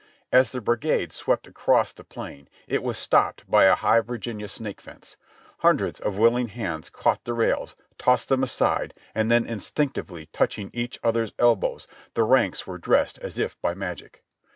As the brigade swept across the plain it was stopped by a high Virginia snake fence; hundreds of willing hands caught the rails, tossed them aside, and then instinctively touching each other's elbows, the ranks were dressed as if by magic.